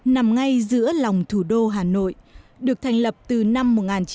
nằm ngay giữa lòng thủ đô hà nội được thành lập từ năm một nghìn chín trăm bảy mươi